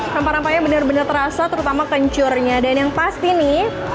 rampa rampanya bener bener terasa terutama kencurnya dan yang pasti né